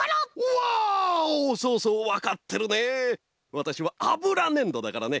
わたしはあぶらねんどだからね！